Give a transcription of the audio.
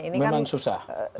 ini kan susah